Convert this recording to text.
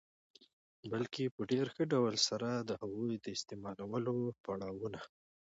بلکي په ډېر ښه ډول سره د هغوی د استعمالولو پړا وونه